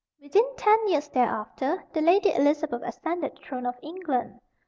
Within ten years thereafter the Lady Elizabeth ascended the throne of England.